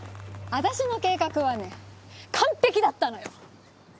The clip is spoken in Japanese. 私の計画はね完璧だったのよ！